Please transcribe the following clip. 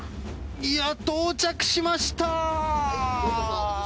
いやー、到着しました。